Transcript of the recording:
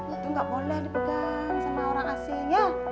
itu nggak boleh dipegang sama orang asing ya